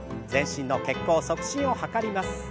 全身の血行促進を図ります。